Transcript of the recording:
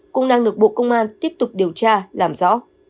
cũng đang được bộ công an tiếp tục điều tra làm rõ